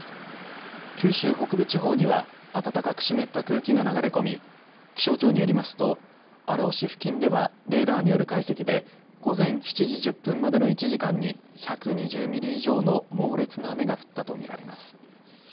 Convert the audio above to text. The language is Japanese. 九州北部地方には暖かく湿った空気が流れ込み気象庁によりますと荒尾市付近ではレーダーによる解析で午前７時１０分までの１時間に１２０ミリ以上の猛烈な雨が降ったと見られます。